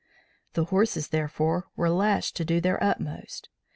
The horses, therefore, were lashed to do their utmost.